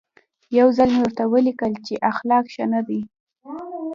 یو ځل مې ورته ولیکل چې اخلاق ښه نه دي.